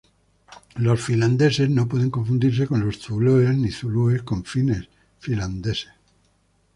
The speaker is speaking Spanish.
Los finlandeses no pueden confundirse con los zulúes, ni zulúes con fines finlandeses.